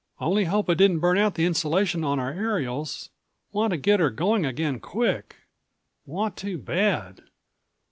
"Only hope it didn't burn out the insulation on our aerials. Want to get her going again quick. Want to bad.